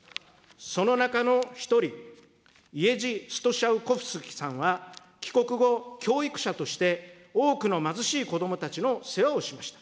その中の一人、イェジ・ストシャウコフスキさんは、帰国後、教育者として多くの貧しい子どもたちの世話をしました。